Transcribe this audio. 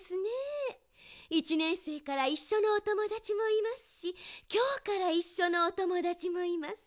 １ねんせいからいっしょのおともだちもいますしきょうからいっしょのおともだちもいます。